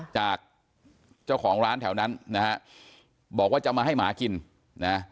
จากเจ้าของร้านแถวนั้นนะฮะบอกว่าจะมาให้หมากินนะ